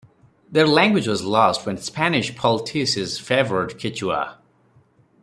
Their language was lost when Spanish politicies favoured Quechua.